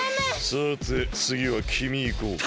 さてつぎはきみいこうか。